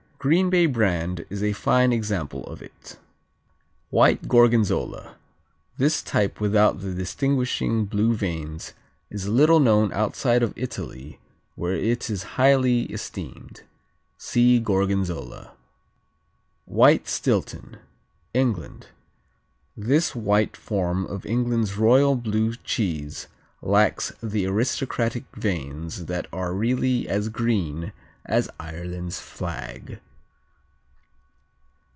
Green Bay brand is a fine example of it. White Gorgonzola This type without the distinguishing blue veins is little known outside of Italy where it is highly esteemed. (See Gorgonzola.) White Stilton England This white form of England's royal blue cheese lacks the aristocratic veins that are really as green as Ireland's flag.